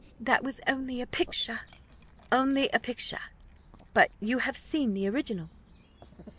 "That was only a picture." "Only a picture! but you have seen the original?"